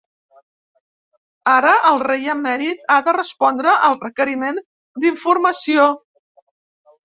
Ara, el rei emèrit ha de respondre al requeriment d’informació.